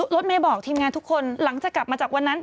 รถเมย์บอกทีมงานทุกคนหลังจากกลับมาจากวันนั้น